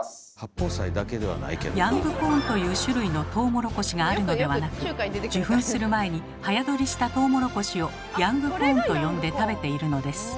ヤングコーンという種類のトウモロコシがあるのではなく受粉する前に早採りしたトウモロコシをヤングコーンと呼んで食べているのです。